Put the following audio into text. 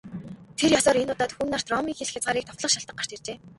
Тэр ёсоор энэ удаад Хүн нарт Ромын хил хязгаарыг довтлох шалтаг гарч иржээ.